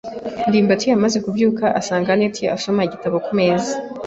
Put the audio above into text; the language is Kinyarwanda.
ndimbati amaze kubyuka, asanga anet asoma igitabo ku meza.